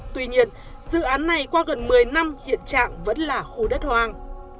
tuy nhiên dự án này qua gần một mươi năm hiện trạng vẫn là khu đất hoang